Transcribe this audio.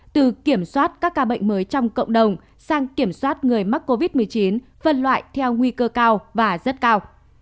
từ kiểm soát các ca bệnh mới trong cộng đồng sang kiểm soát người mắc covid một mươi chín phân loại theo nguy cơ cao và rất cao